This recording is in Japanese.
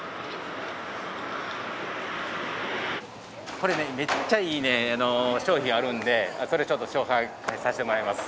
これねめっちゃいい商品あるんでそれちょっと紹介させてもらいます。